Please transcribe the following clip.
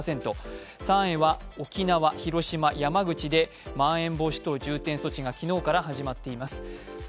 ３位は沖縄、広島、山口でまん延防止等重点措置が昨日から始まっています。